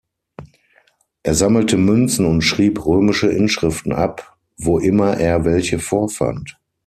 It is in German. Er sammelte Münzen und schrieb römische Inschriften ab, wo immer er welche vorfand.